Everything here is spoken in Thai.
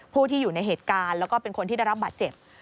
ผู้ที่อยู่ในเหตุการณ์แล้วก็เป็นคนที่ได้รับบาดเจ็บ